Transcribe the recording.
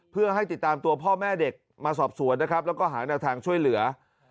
เพื่อให้ติดตามตัวพ่อแม่เด็กมาสอบสวนนะครับแล้วก็หาแนวทางช่วยเหลือ